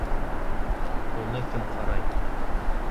Уны кем ҡарай?